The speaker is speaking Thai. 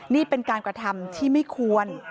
นี่เป็นการกระทำที่ไม่ควร